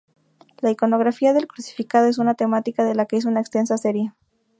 La iconografía del crucificado es una temática de la que hizo una extensa serie.